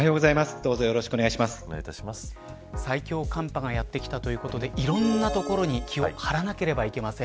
どうぞ最強寒波がやってきたということでいろんなところに気を張らなければいけません。